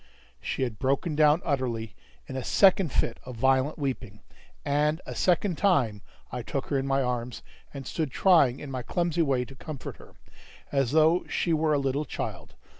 She had broken down utterly in a second fit of violent weeping; and a second time I took her in my arms, and stood trying in my clumsy way to comfort her, as though she were a little child.